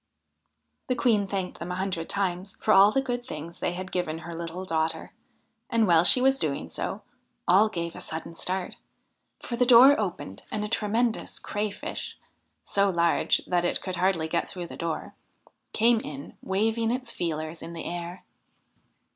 The Queen thanked them a hundred times for all the good things they had given her little daughter, and, while she was doing so, all gave a sudden start, for the door opened and a tremendous Crayfish so large that it could hardly get through the door came in, waving its feelers in the air.